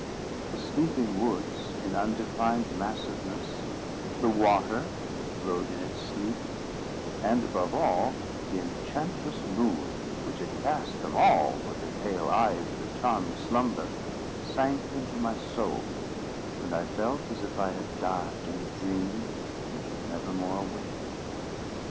The sleeping woods, in undefined massiveness; the water that flowed in its sleep; and, above all, the enchantress moon, which had cast them all, with her pale eye, into the charmed slumber, sank into my soul, and I felt as if I had died in a dream, and should never more awake.